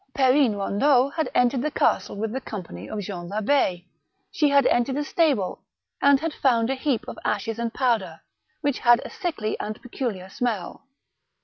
Perrine Eondeau had entered the castle with the company of Jean Labb6. She had entered a stable, and had found a heap of ashes and powder, which had a sickly and peculiar smell.